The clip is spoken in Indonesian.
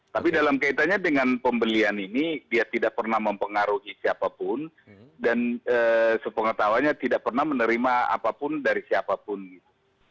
tapi dalam kaitannya dengan pembelian ini dia tidak pernah mempengaruhi siapapun dan sepengetahuannya tidak pernah menerima apapun dari siapapun gitu